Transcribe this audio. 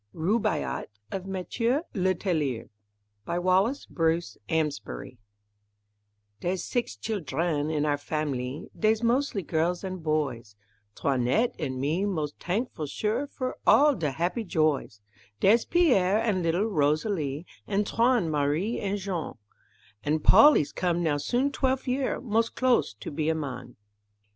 RUBAIYAT OF MATHIEU LETTELLIER BY WALLACE BRUCE AMSBARY Dere's six chil_dren_ in our fam'lee, Dey's mos'ly girls an' boys; 'Toinette an' me wos t'ankful sure For all de happy joys; Dere's Pierre, an' little Rosalie, Antoine, Marie an' Jeanne, An' Paul he's com' now soon twelf year, Mos' close to be a man.